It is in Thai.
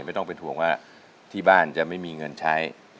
ไม่ต้องเป็นห่วงว่าที่บ้านจะไม่มีเงินใช้